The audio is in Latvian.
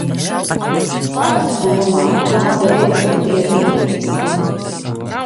Kā tu domā, kā dēļ tad tie bija?